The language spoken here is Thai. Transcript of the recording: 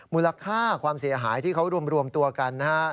มูลค่าความเสียหายที่เขารวมตัวกันนะฮะ